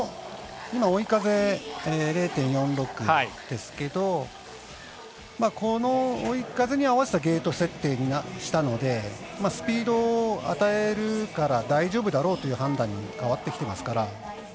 今、追い風０．４６ですがこの追い風に合わせたゲート設定にしたのでスピード、与えるから大丈夫だろうという判断に変わってきてますから。